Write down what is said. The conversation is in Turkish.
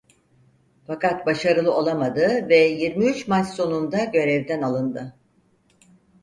Fakat başarılı olamadı yirmi üç maç sonunda görevden alındı.